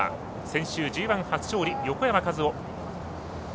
先週ＧＩ初勝利、横山和生。